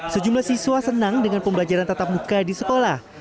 sejumlah siswa senang dengan pembelajaran tatap muka di sekolah